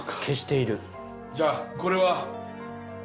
じゃあこれは。